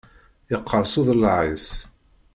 Yeqqers uḍellaɛ-is.